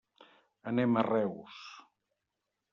Anem a Reus.